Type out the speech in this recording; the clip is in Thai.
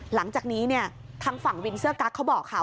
หลังจากนี้ทางฝั่งวินเซอร์กรักษ์เขาบอกค่ะ